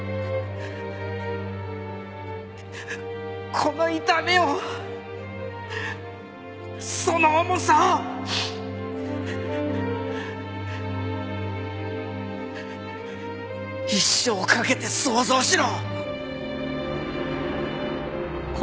この痛みをその重さを一生かけて想像しろ！